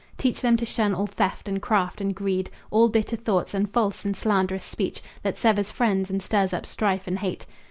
Teach them to shun all theft and craft and greed, All bitter thoughts, and false and slanderous speech That severs friends and stirs up strife and hate.